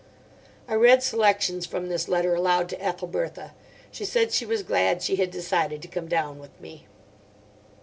I read selections from this letter aloud to Ethelbertha. She said she was glad she had decided to come down with me.